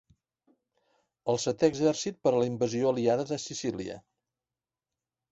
El setè exèrcit per a la invasió aliada de Sicília.